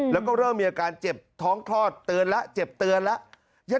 แล้วก็เริ่มมีอาการเจ็บท้องคลอดเตือนแล้ว